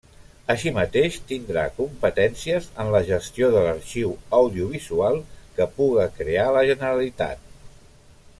Així mateix, tindrà competències en la gestió de l'arxiu audiovisual que puga crear la Generalitat.